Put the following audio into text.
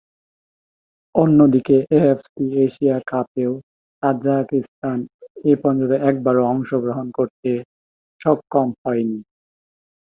অন্যদিকে, AFC Asian কাপেও Tajikistan এপর্যন্ত একবারও অংশগ্রহণ করতে সক্ষম হয়নি।